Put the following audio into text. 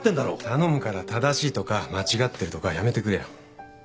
頼むから正しいとか間違ってるとかやめてくれよ。